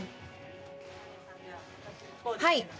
はい。